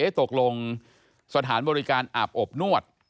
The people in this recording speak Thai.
ตกลงสถานบริการอาบอบนวด